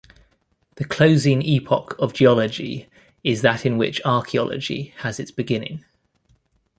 The closing epoch of geology is that in which archaeology has its beginning.